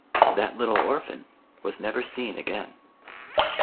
That little orphan teas never seen a^gain.